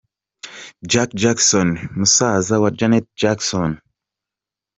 Jacky Jackson musaza wa Janet Jackson